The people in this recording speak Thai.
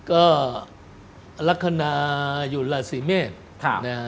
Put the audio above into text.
ก็ลักษณะอยู่ลาศิเมษย์